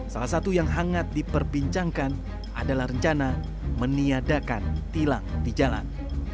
salah satu yang hangat diperbincangkan adalah rencana meniadakan tilang di jalan